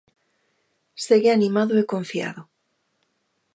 Segue animado e confiado.